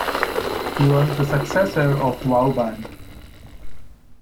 He was the successor of Vauban.